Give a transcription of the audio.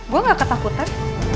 gue gak ketakutan